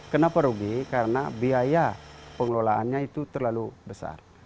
kenapa rugi karena biaya pengelolaannya itu terlalu besar